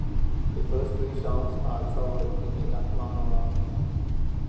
The first three songs are troubled inner monologues.